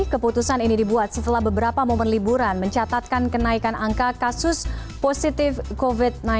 keputusan ini dibuat setelah beberapa momen liburan mencatatkan kenaikan angka kasus positif covid sembilan belas